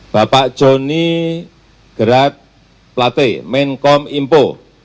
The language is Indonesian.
bapak joni gerat plate menkom impo